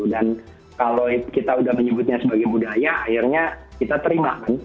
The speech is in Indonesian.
dan kalau kita sudah menyebutnya sebagai budaya akhirnya kita terima kan